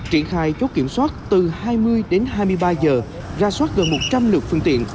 ra soát từ hai mươi đến hai mươi ba giờ ra soát gần một trăm linh lượt phương tiện